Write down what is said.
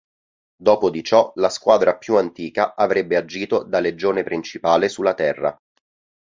Dopo di ciò, la squadra più antica avrebbe agito da Legione principale sulla Terra.